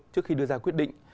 trước khi đưa ra quyết định